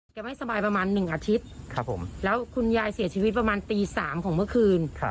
ไม่สบายประมาณ๑อาทิตย์แล้วคุณยายเสียชีวิตประมาณตี๓ของเมื่อคืน